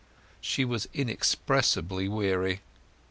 She was inexpressibly weary.